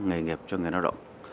nghề nghiệp cho người lao động